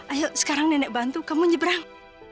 ayo sekarang nenek bantu kamu nyebrang